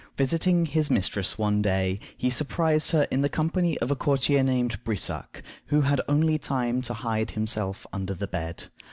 Visiting his mistress one day, he surprised her in the company of a courtier named Brissac, who had only time to hide himself under the bed.